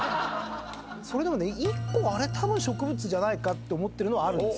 それでも１個植物じゃないかって思ってるのはあるんですよ。